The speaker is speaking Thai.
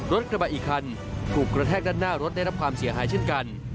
รถกระบะอีกคันถูกกระแทกด้านหน้ารถได้รับความเสียหายเช่นกัน